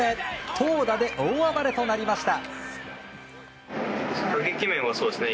投打で大暴れとなりました。